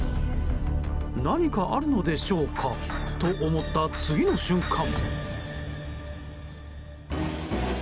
何かあるのでしょうか？と思った次の瞬間。